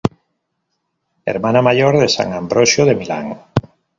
Hermana mayor de san Ambrosio de Milán.